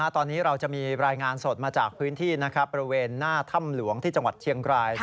ตอนนี้เราจะมีรายงานสดมาจากพื้นที่บริเวณหน้าถ้ำหลวงที่จังหวัดเชียงราย